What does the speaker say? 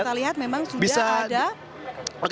kita lihat memang sudah ada